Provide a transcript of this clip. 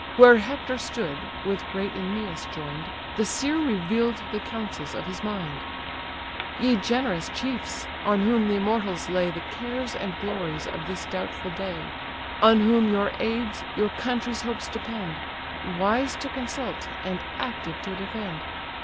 Where Hector stood, with great Æneas join'd, The seer reveal'd the counsels of his mind: "Ye generous chiefs! on whom the immortals lay The cares and glories of this doubtful day; On whom your aids, your country's hopes depend; Wise to consult, and active to defend!